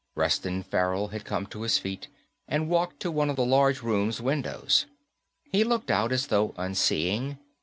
Reston Farrell had come to his feet and walked to one of the large room's windows. He looked out, as though unseeing.